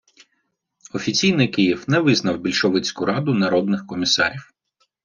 Офіційний Київ не визнав більшовицьку Раду народних комісарів.